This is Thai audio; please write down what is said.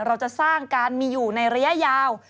เราจะสร้างการมีอยู่ในระยะยาว